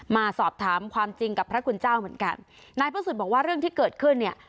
มาสอบถามความจริงกับพระคุณเจ้าเหมือนกันนายพระสุทธิ์บอกว่าเรื่องที่เกิดขึ้นเนี่ย